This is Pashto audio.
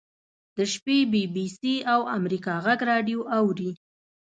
د شپې بي بي سي او امریکا غږ راډیو اوري.